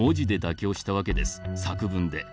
作文で。